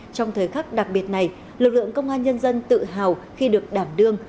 trong thời khắc đặc biệt này lực lượng công an nhân dân tự hào khi được đảm đương